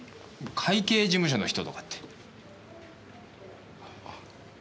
会計事務所の人とかって。